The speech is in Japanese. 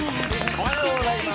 おはようございます。